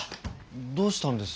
どうしたんです？